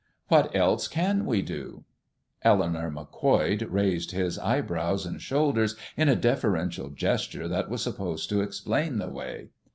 "What else can we do?" Eleanor Macquoid raised his eyebrows and shoulders in a deferential gesture that was supposed to explain the way.